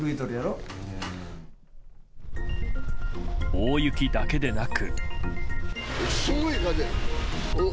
大雪だけでなく。